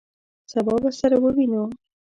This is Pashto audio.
سبا به سره ووینو!